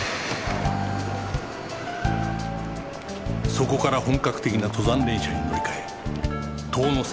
そこから本格的な登山電車に乗り換え塔ノ沢